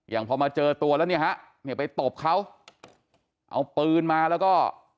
พอมาเจอตัวแล้วเนี่ยฮะเนี่ยไปตบเขาเอาปืนมาแล้วก็